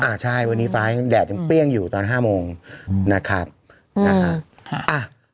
อ่าใช่วันนี้ฟ้าแดดยังเปรี้ยงอยู่ตอนห้าโมงนะครับอืมอ่า